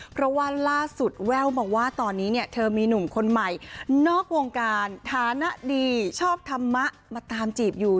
เพราะว่าล่าสุดแว่วมาว่าตอนนี้เนี่ยเธอมีหนุ่มคนใหม่นอกวงการฐานะดีชอบธรรมะมาตามจีบอยู่